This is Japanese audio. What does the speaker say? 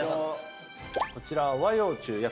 こちら。